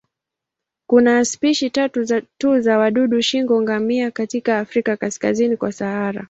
Kuna spishi tatu tu za wadudu shingo-ngamia katika Afrika kaskazini kwa Sahara.